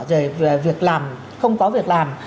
rồi việc làm không có việc làm